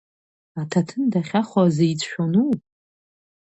Аҭаҭын дахьахо азы ицәшәону?!